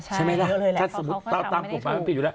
ใช่ไหมล่ะถ้าสมมุติเราตามกฎหมายมันผิดอยู่แล้ว